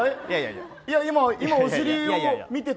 今、お尻を見てた？